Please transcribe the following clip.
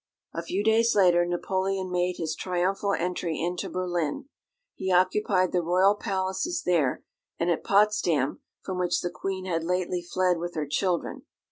A few days later Napoleon made his triumphal entry into Berlin. He occupied the Royal Palaces there and at Potsdam, from which the Queen had lately fled with her children.